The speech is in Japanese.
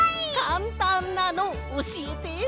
かんたんなのおしえて！